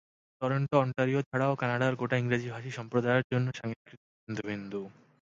Toronto Ontario ছাড়াও কানাডার গোটা ইংরেজিভাষী সম্প্রদায়ের জন্য সাংস্কৃতিক কেন্দ্রবিন্দু।